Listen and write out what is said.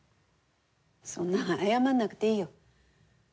そんな謝んなくていいよ。